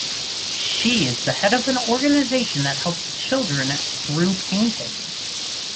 She is the head of an organization that helps children through painting.